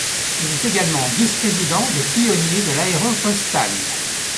Il est également vice-président des Pionniers de l'Aéropostale.